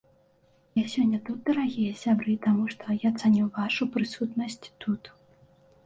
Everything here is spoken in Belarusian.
Я сёння тут, дарагія сябры, таму, што я цаню вашу прысутнасць тут.